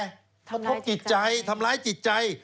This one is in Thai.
ทำร้ายจิตใจทำร้ายจิตใจ